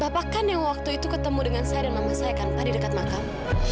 bapak kan yang waktu itu ketemu dengan saya dan mama saya kan pak di dekat makam